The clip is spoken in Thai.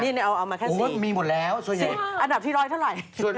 ฮะ๑๐๐อันดับฮะมีหมดแล้วส่วนใหญ่อันดับที่ร้อยเท่าไหร่